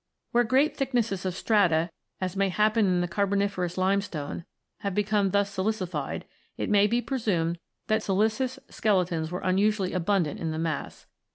Where great thicknesses of strata, as may happen in the Carboniferous Limestone, have become thus silicified, it may be presumed that siliceous skeletons were unusually abundant in the mass.